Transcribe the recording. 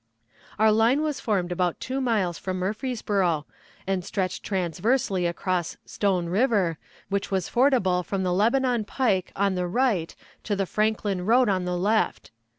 Our line was formed about two miles from Murfreesboro, and stretched transversely across Stone River, which was fordable from the Lebanon pike on the right to the Franklin road on the left.